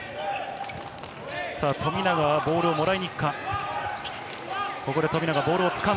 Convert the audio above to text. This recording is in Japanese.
富永はボールをもらいに行くか？